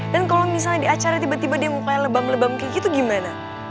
dan kalo tuh di acara tiba tiba lo kayak gebam gebam kayak gitu gimana